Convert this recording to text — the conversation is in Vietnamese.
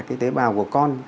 cái tế bào của con